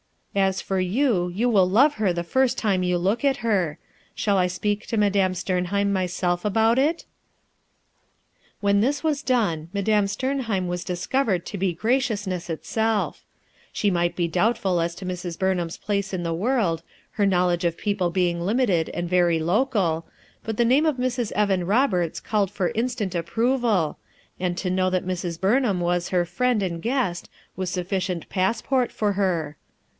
As for you, you will love her the first time you look at her. Shall I sj)eak to Madame Sternheim myself about it?" When this was done, Madame Sternheim was 27S RUTH ERSKINE'S SON discovered to be graciousncss itself. She might be doubtful as to Mrs, Burnham's place in the world, her knowledge of people being limited and very local, 'but the name of Mrs. Evan Roberts called for instant approval, and to know that Mrs. Burnham was her friend and guest was sufficient passport for her.